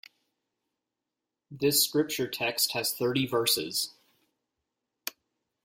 This scripture text has thirty Verses.